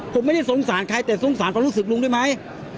ผมไม่ได้สงสารใครแต่สงสารความรู้สึกลุงด้วยไหม